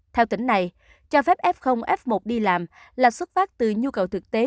theo tỉnh này cho phép f f một đi làm là xuất phát từ nhu cầu thực tế